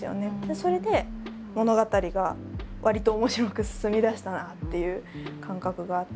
それで物語がわりと面白く進みだしたなっていう感覚があって。